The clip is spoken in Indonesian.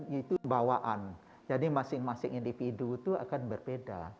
jadi kepoheran gen itu bawaan jadi masing masing individu itu akan berbeda